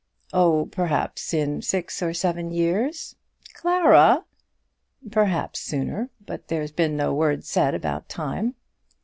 "Oh, perhaps in six or seven years." "Clara!" "Perhaps sooner; but there's been no word said about time."